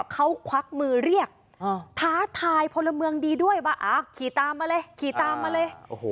เขาควักมือเรียกท้าทายพลเมืองดีด้วยว่าขี่ตามมาเลยขี่ตามมาเลย